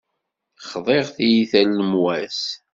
Xḍiɣ tiyita n lemwas.